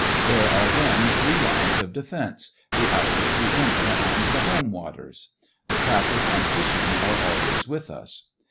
There are then three lines of defence: the outer, the inner, and the home waters. The traffic and fishing are always with us.